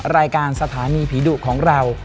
รายการสถานีผีดุของเรา